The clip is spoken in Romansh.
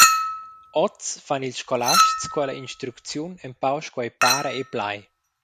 Oz fan ils scolasts quella instrucziun empau sco ei para e plai.